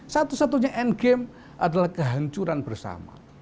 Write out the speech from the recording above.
satu satunya endgame adalah kehancuran bersama